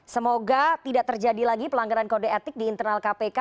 semoga tidak terjadi lagi pelanggaran kode etik di internal kpk